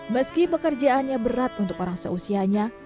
meski pekerjaannya berat untuk orang seusianya